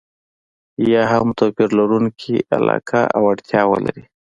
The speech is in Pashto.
یا هم توپير لرونکې علاقه او اړتياوې ولري.